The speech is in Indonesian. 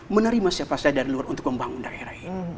menerima siapa saja dari luar untuk membangun daerah ini